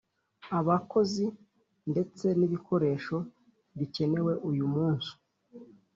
abakozi ndetse n ibikoresho bikenewe uyu munsu